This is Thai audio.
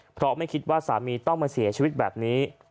เพราะไม่คิดว่าสามีต้องมาเสียชีวิตแบบนี้